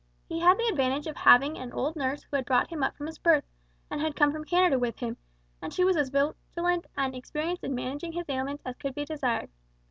He had the advantage of having an old nurse who had brought him up from his birth, and had come from Canada with him; and she was as vigilant and experienced in managing his ailments as could be desired.